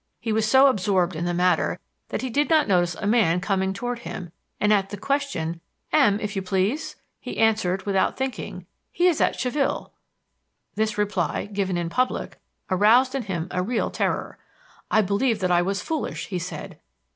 He was so absorbed in the matter that he did not notice a man coming toward him, and at the question, 'M......, if you please ?' he answered, without thinking, 'He is at Chaville.' This reply, given in public, aroused in him a real terror. 'I believe that I was foolish,' he said.